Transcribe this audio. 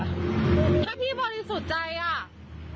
ถ้าพี่ปฏิสุดใจนั่ง